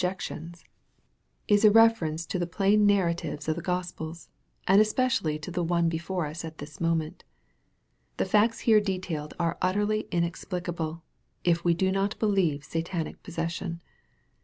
89 jections, is a reference to the plain narratives of the Gos pels, and especially to the one before us at this moment. The facts here detailed are utterly inexplicable, if we do not believe Satanic possession.